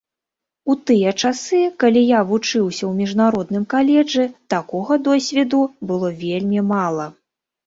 У тыя часы, калі я вучыўся ў міжнародным каледжы, такога досведу было вельмі мала.